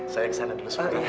saya kesana dulu soalnya